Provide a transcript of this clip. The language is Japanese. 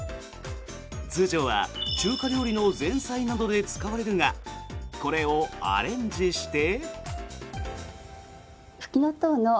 通常は中華料理の前菜などで使われるがこれをアレンジして。